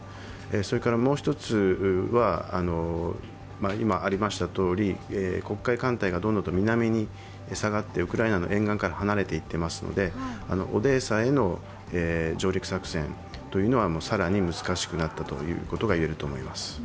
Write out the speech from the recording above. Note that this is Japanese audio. それからもう一つは、黒海艦隊がどんどん南に下がってウクライナの沿岸から離れていっていますのでオデーサへの上陸作戦というのは更に難しくなったということがいえると思います。